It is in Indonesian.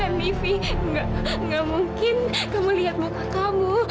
enggak mungkin kamu lihat muka kamu